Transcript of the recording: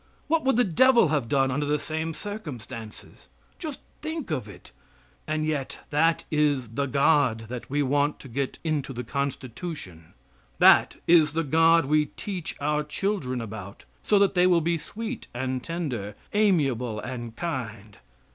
What would the devil have done under the same circumstances? Just think of it, and yet that is the God that we want to get into the Constitution. That is the God we teach our children about so that they will be sweet and tender, amiable and kind!